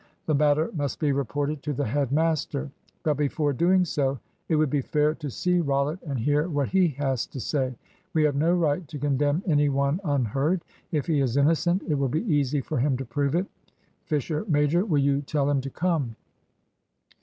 The matter must be reported to the head master. But before doing so it would be fair to see Rollitt, and hear what he has to say. We have no right to condemn any one unheard. If he is innocent, it will be easy for him to prove it. Fisher major, will you tell him to come?"